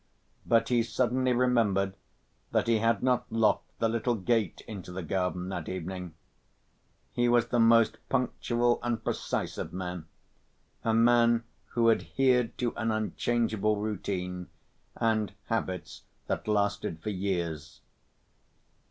But he suddenly remembered that he had not locked the little gate into the garden that evening. He was the most punctual and precise of men, a man who adhered to an unchangeable routine, and habits that lasted for years.